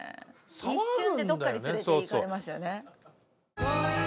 一瞬でどっかに連れて行かれますよね。